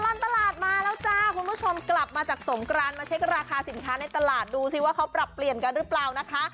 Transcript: ตลอดตลาดมาแล้วจ้าคุณผู้ชมกลับมาจากสงกรานมาเช็คราคาสินค้าในตลาดดูสิว่าเขาปรับเปลี่ยนกันหรือเปล่านะคะ